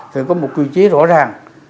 phải có một quy chế rõ ràng